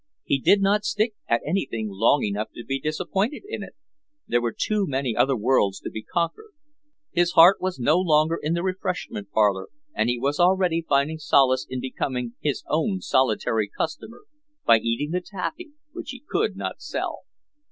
He did not stick at anything long enough to be disappointed in it; there were too many other worlds to be conquered. His heart was no longer in the refreshment parlor and he was already finding solace in becoming his own solitary customer, by eating the taffy which he could not sell.